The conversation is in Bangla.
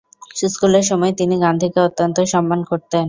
স্কুলের সময়ে তিনি গান্ধীকে অত্যন্ত সম্মান করতেন।